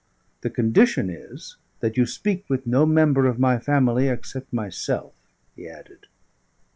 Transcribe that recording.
The condition is that you speak with no member of my family except myself," he added.